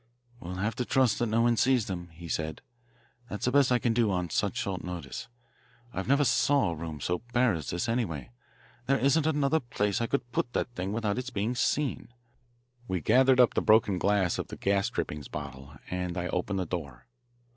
"We'll have to trust that no one sees them," he said. "That's the best I can do at such short notice. I never saw a room so bare as this, anyway. There isn't another place I could put that thing without its being seen." We gathered up the broken glass of the gas drippings bottle, and I opened the door.